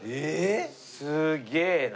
すげえな。